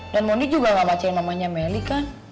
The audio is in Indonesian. dan mondi juga gak pacarin namanya melih kan